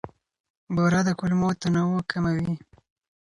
بوره د کولمو تنوع کموي.